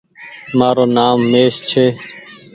مآرو نآم مهيش ڇي۔